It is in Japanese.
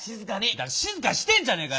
だから静かにしてんじゃねえかよ。